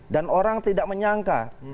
dan orang tidak menyangka